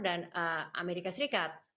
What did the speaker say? dan amerika serikat